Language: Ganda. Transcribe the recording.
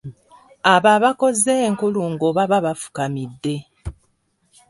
Abo abakoze enkulungo baba bafukamidde.